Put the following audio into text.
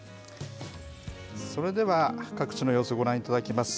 それでは各地の様子、ご覧いただきます。